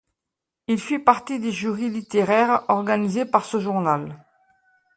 Il fit partie des jurys littéraires organisés par ce journal.